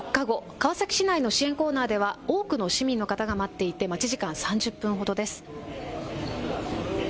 川崎市内の支援コーナーでは多くの市民の方が待っていて待ち時間、３０分ほどです。